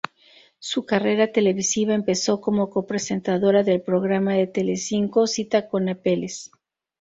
Su carrera televisiva empezó como copresentadora del programa de Telecinco "Cita con Apeles".